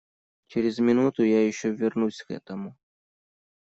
Через минуту я еще вернусь к этому.